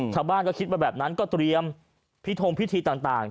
ชาวบ้านก็คิดมาแบบนั้นก็เตรียมพิทงพิธีต่าง